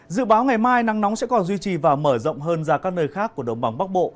dự báo ngày mai nắng nóng sẽ còn duy trì và mở rộng hơn ra các nơi khác của đồng bằng bắc bộ